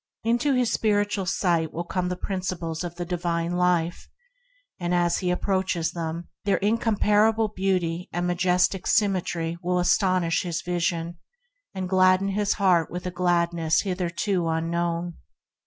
Into his spiritual ken will come the Principles of the divine Life, and as he approaches them their incomparable beauty and majestic symmetry will astonish his vision and glad den his heart with a gladness hitherto unknown.